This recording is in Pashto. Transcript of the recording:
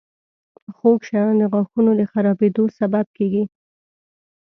• خوږ شیان د غاښونو د خرابېدو سبب کیږي.